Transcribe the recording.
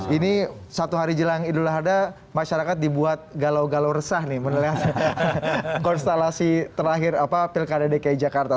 ini satu hari jelang idul adha masyarakat dibuat galau galau resah nih meneles konstelasi terakhir pilkada dki jakarta